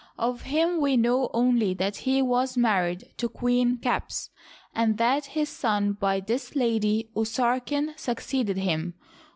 Of him we know only that he was married to Queen Kafies, and that his son by this lady, Usarken, succeeded him.